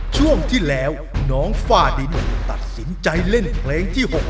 ช่วงที่แล้วน้องฝ้าดินตัดสินใจเล่นเพลงที่๖